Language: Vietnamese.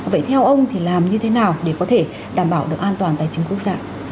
vậy theo ông thì làm như thế nào để có thể đảm bảo được an toàn tài chính quốc gia